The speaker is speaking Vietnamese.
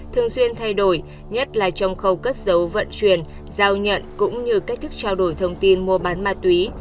thường xuyên thay đổi nhất là trong khâu cất giấu vận chuyển giao nhận cũng như cách thức trao đổi thông tin mua bán ma túy